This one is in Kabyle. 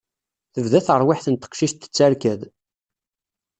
Tebda terwiḥt n teqcict tettarkad.